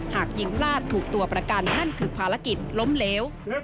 หากยิงพลาดถูกตัวประกันนั่นคือภารกิจล้มเหลว